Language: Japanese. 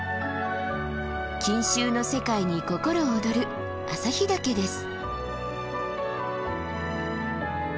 錦秋の世界に心躍る朝日岳です。